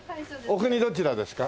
お国どちらですか？